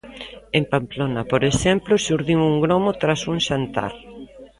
En Pamplona, por exemplo, xurdiu un gromo tras un xantar.